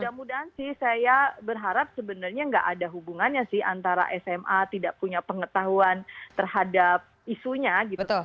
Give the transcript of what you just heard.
mudah mudahan sih saya berharap sebenarnya nggak ada hubungannya sih antara sma tidak punya pengetahuan terhadap isunya gitu